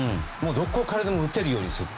どこからでも打てるようにする。